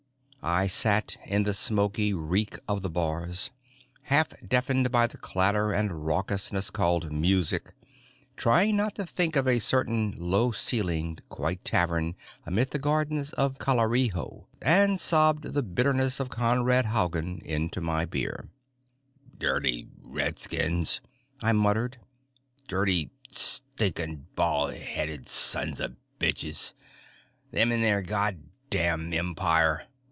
I sat in the smoky reek of the bars, half deafened by the clatter and raucousness called music, trying not to think of a certain low ceilinged, quiet tavern amid the gardens of Kalariho, and sobbed the bitterness of Conrad Haugen into my beer. "Dirty redskins," I muttered. "Dirty, stinking, bald headed, sons of bitches. Them and their god damn Empire.